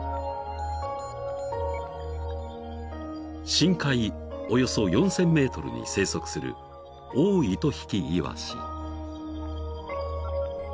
［深海およそ４，０００ｍに生息するオオイトヒキイワシ］